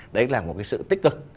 đấy là một cái sự tích cực